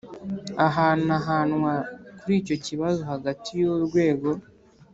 Ahanahanwa kuri icyo kibazo hagati y urwego